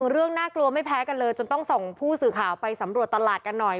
เรื่องน่ากลัวไม่แพ้กันเลยจนต้องส่งผู้สื่อข่าวไปสำรวจตลาดกันหน่อย